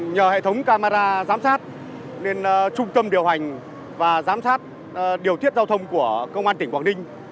nhờ hệ thống camera giám sát nên trung tâm điều hành và giám sát điều tiết giao thông của công an tỉnh quảng ninh